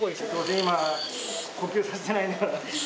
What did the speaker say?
今呼吸させてないんだから。